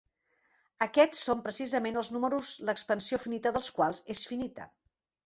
Aquests són precisament els números l'expansió finita dels quals és finita.